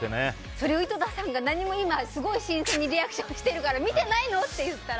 それを井戸田さんがすごい新鮮にリアクションしてるから見てないの？って言ったら。